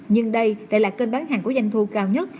nhưng đây lại là kênh bán hàng của danh thu cao nhất